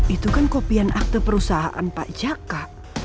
itu kan kopian akte perusahaan pak jaka